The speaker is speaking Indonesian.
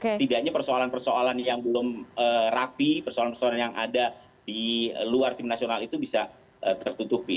setidaknya persoalan persoalan yang belum rapi persoalan persoalan yang ada di luar tim nasional itu bisa tertutupi